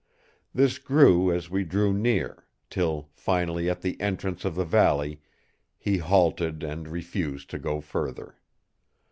This grew as we drew near; till finally at the entrance of the valley he halted and refused to go further.